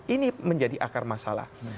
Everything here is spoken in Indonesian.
ini menjadi akar masalah